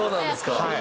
はい。